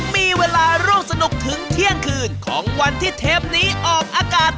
มีเวลาร่วมสนุกถึงเที่ยงคืนของวันที่เทปนี้ออกอากาศ